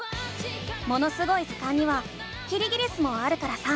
「ものすごい図鑑」にはキリギリスもあるからさ